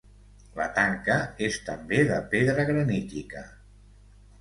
La tanca és també de pedra granítica.